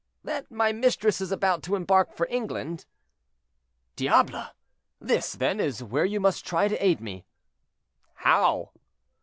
"That my mistress is about to embark for England." "Diable! this, then, is where you must try to aid me."—"How?"